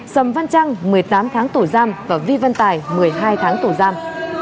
sầm văn trăng một mươi tám tháng tổ giam và vi văn tài một mươi hai tháng tổ giam